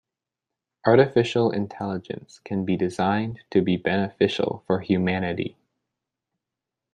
Artificial Intelligence can be designed to be beneficial for humanity.